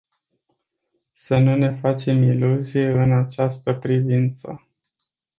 Să nu ne facem iluzii în această privință.